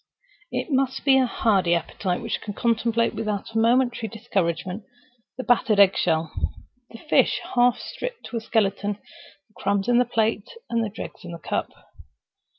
It must be a hardy appetite which can contemplate without a momentary discouragement the battered egg shell, the fish half stripped to a skeleton, the crumbs in the plate, and the dregs in the cup.